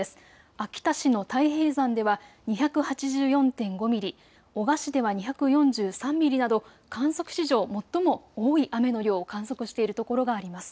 秋田市の太平山では２８４．５ミリ、男鹿市では２４３ミリなど観測史上最も多い雨の量を観測しているところがあります。